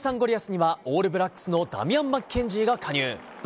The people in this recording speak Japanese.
リアスにはオールブラックスのダミアン・マッケンジーが加入。